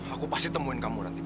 aku pasti temuin kamu nanti